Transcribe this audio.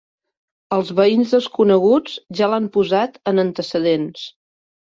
Els veïns desconeguts ja l'han posat en antecedents.